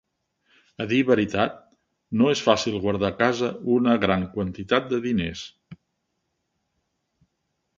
A dir veritat, no es fàcil guardar a casa una gran quantitat de diners.